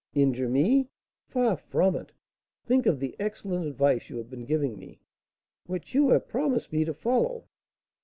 "Injure me! Far from it! Think of the excellent advice you have been giving me." "Which you have promised me to follow?"